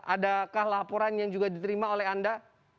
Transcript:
adakah laporan yang juga diterima oleh anda